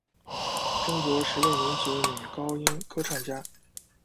中国十大民族女高音歌唱家。